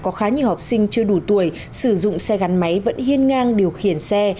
có khá nhiều học sinh chưa đủ tuổi sử dụng xe gắn máy vẫn hiên ngang điều khiển xe